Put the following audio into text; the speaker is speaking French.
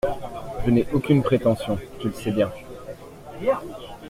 Je n'ai aucune prétention, tu le sais bien.